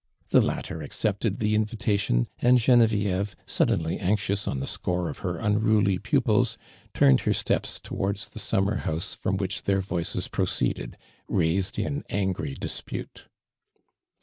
The latter accepted the inviUition, and ( renevievo, suddenly anxious on the score of her unruly pupils, turn ed her steps towai ds the summer house from which their voices proceeded, raised in angry dispute.